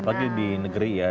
apalagi di negeri ya